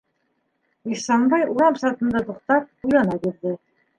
Ихсанбай, урам сатында туҡтап, уйлана бирҙе.